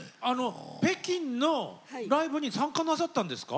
北京のライブに参加なさったんですか？